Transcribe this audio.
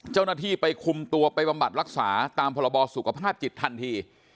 เจ้าหน้าที่ไปคุมตัวไปบำบัดรักษาตามพรบสุขภาพจิตทันที